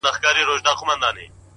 زړه چي په لاسونو کي راونغاړه’